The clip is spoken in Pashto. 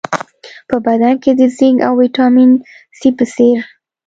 په بدن کې د زېنک او ویټامین سي په څېر